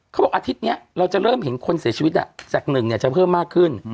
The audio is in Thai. เขาบอกอาทิตย์เนี่ยเราจะเริ่มเห็นคนเสียชีวิตอ่ะจากหนึ่งเนี่ยจะเพิ่มมากขึ้น